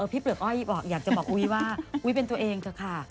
เปลือกอ้อยบอกอยากจะบอกอุ๊ยว่าอุ๊ยเป็นตัวเองเถอะค่ะ